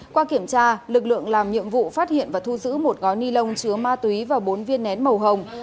qua kiểm tra lực lượng làm nhiệm vụ phát hiện và thu giữ một gói ni lông chứa ma túy và bốn viên nén màu hồng